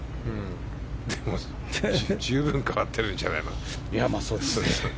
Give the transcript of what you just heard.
でも十分変わってるんじゃないかな。